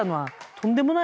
とんでもない。